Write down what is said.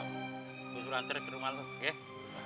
gue suruh lantaran ke rumah lo ya